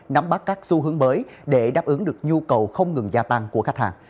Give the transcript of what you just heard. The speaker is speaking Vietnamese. nắm bắt các xu hướng mới để đáp ứng được nhu cầu không ngừng gia tăng của khách hàng